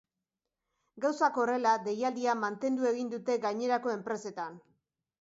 Gauzak horrela, deialdia mantendu egin dute gainerako enpresetan.